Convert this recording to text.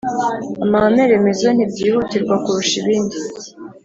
amahame remezo n'ibyihutirwa kurusha ibindi